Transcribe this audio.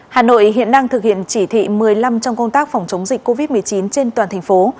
hà nội hiện đang thực hiện chỉ thị một mươi năm trong công tác phòng chống dịch covid một mươi chín trên toàn thành phố